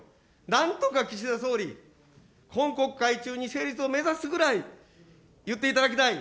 なんとか岸田総理、今国会中に成立を目指すぐらい、言っていただきたい。